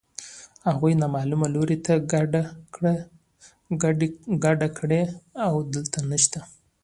هغوی نامعلوم لوري ته کډه کړې او دلته نشته